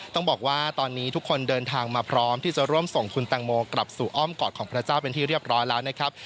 ต้องบอกว่าตอนนี้ทุกคนเดินทางมาพร้อมที่จะร่วมส่งคุณแตงโมกลับสู่อ้อมกอดของพระเจ้าเป็นที่เรียบร้อยแล้วนะครับ